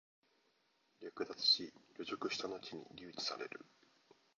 略奪し、凌辱したのちに留置される。